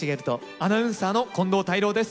アナウンサーの近藤泰郎です。